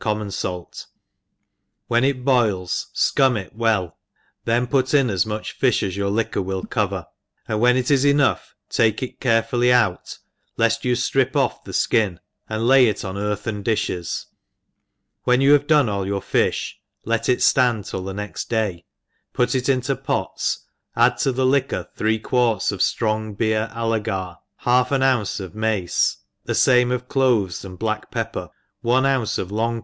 Common fait, when it boils fcum it well, then* put in as much fi(h as your liquor will cover, and when it 4s enougl^ take it carefully out, left you flrip ofFthe ikln, and l^y it qtf eartheft diOie^ y when ypu have done all yppr fiih, let it ftand till theoe^tday^ put it into pots^ add to $h? liquor three quarts, of ftrong bf^er ailegar, h^lf an ounce of' mdce» the fame of cloves and bla^k pepp9r,.pne Qur)cc of long.